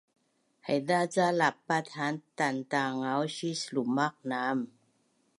haiza ca lapat haan tantangausis lumaq naam